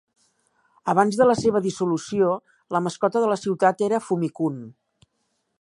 Abans de la seva dissolució, la mascota de la ciutat era "Fumi-kun".